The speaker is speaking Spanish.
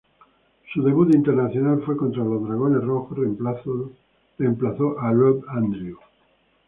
Su debut internacional fue contra los dragones rojos, reemplazó a Rob Andrew.